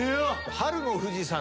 春の富士山。